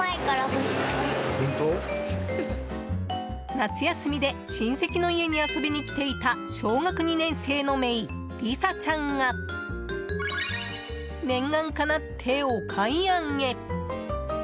夏休みで親戚の家に遊びに来ていた小学２年生のめい理紗ちゃんが念願かなってお買い上げ！